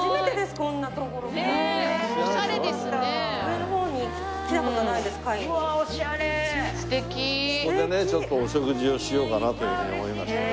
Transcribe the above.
ここでねちょっとお食事をしようかなというふうに思いましてね。